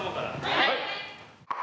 はい！